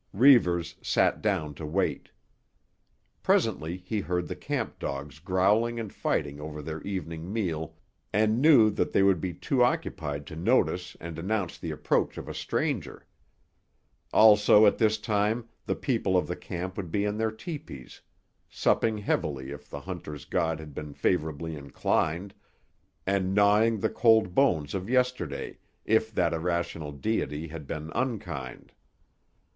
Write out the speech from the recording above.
Reivers sat down to wait. Presently he heard the camp dogs growling and fighting over their evening meal and knew that they would be too occupied to notice and announce the approach of a stranger. Also, at this time the people of the camp would be in their tepees, supping heavily if the hunter's god had been favourably inclined, and gnawing the cold bones of yesterday if that irrational deity had been unkind.